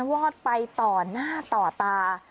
วอดไปต่อหน้าต่อตา